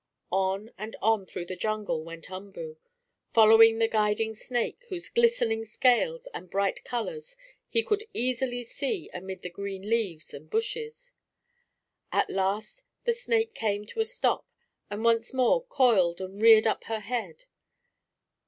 On and on through the jungle went Umboo, following the guiding snake, whose glistening scales and bright colors he could easily see amid the green leaves and bushes. At last the snake came to a stop and once more coiled and reared up her head.